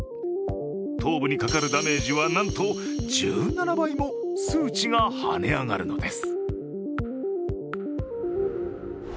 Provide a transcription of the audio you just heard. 頭部にかかるダメージはなんと１７倍も数値が跳ね上がるんです。